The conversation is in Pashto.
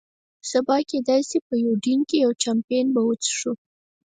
سبا کېدای شي په یوډین کې یو، چامپېن به وڅښو.